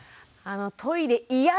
あの「トイレいや！」